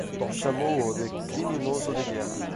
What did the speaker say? Chamou-o de criminoso de guerra